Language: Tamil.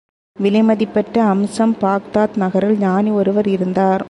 விலை மதிப்பற்ற அம்சம் பாக்தாத் நகரில் ஞானி ஒருவர் இருந்தார்.